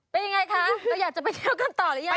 เป็นยังไงคะเราอยากจะไปเที่ยวกันต่อหรือยัง